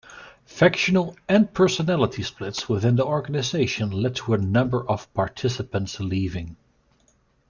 Factional and personality splits within the organization led to a number of participants leaving.